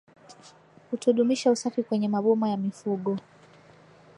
kutodumisha usafi kwenye maboma ya mifugo